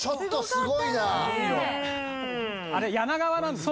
あれ柳川なんですよ。